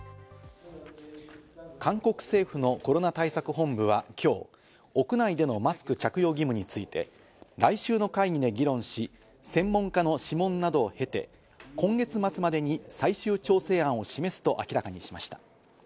韓国政府のコロナ対策本部は今日、屋内でのマスク着用義務について来週の会議で議論し、専門家の諮問などを経て今月末までに最終調整案を示すと明らかにしました。